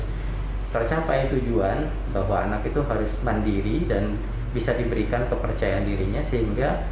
tercapai tujuan bahwa anak itu harus mandiri dan bisa diberikan kepercayaan dirinya sehingga